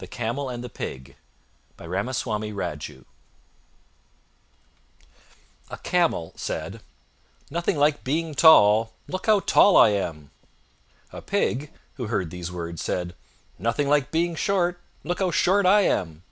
THE CAMEL AND THE PIG By Ramaswami Raju A camel said, "Nothing like being tall! Look how tall I am!" A Pig, who heard these words, said, "Nothing like being short! Look how short I am!"